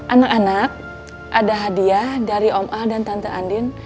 anak anak ada hadiah dari omah ⁇ dan tante andin